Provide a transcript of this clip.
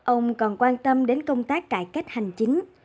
ông còn quan tâm đến công tác cải cách hành chính